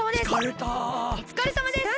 おつかれさまです！